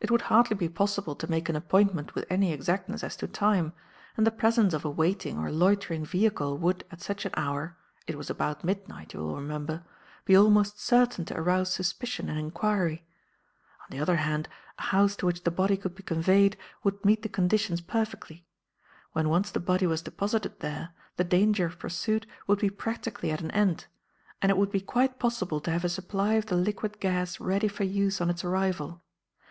It would hardly be possible to make an appointment with any exactness as to time; and the presence of a waiting or loitering vehicle would, at such an hour it was about midnight, you will remember be almost certain to arouse suspicion and inquiry. "On the other hand, a house to which the body could be conveyed would meet the conditions perfectly. When once the body was deposited there, the danger of pursuit would be practically at an end; and it would be quite possible to have a supply of the liquid gas ready for use on its arrival.